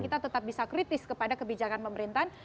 kita tetap bisa kritis kepada kebijakan pemerintahan